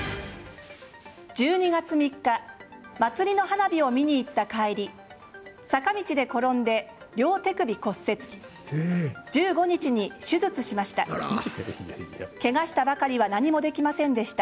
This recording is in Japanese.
１２月３日、祭りの花火を見に行った帰り坂道で転んで、両手首骨折１５日に手術しました。